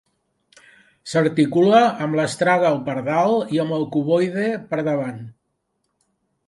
S'articula amb l'astràgal per dalt i amb el cuboide per davant.